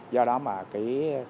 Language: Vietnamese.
do đó mà cái